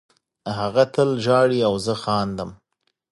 هغه تل ژاړي او زه خاندم